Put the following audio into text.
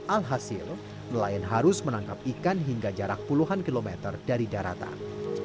alhasil nelayan harus menangkap ikan hingga jarak puluhan kilometer dari daratan